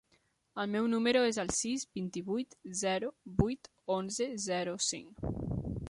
El meu número es el sis, vint-i-vuit, zero, vuit, onze, zero, cinc.